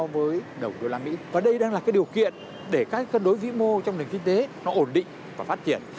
với đồng đô la mỹ và đây đang là cái điều kiện để các cân đối vĩ mô trong nền kinh tế nó ổn định và phát triển